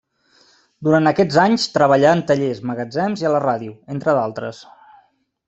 Durant aquests anys treballà en tallers, magatzems i a la ràdio, entre d'altres.